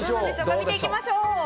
見ていきましょう。